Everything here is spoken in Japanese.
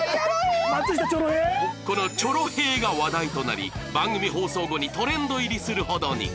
この「チョロ平」が話題となり番組放送後にトレンド入りするほどに